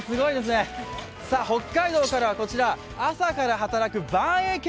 北海道からはこちら、朝から働くばんえい